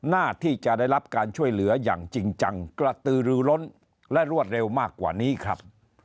หน้าที่จะได้รับการช่วยเหลืออย่างจริงจังกระตือรือล้นและรวดเร็วมากกว่านี้ครับ